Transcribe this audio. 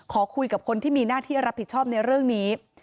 ขอคุยกับคนที่มีหน้าที่รับผิดชอบในเรื่องนี้